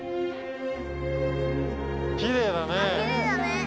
きれいだね。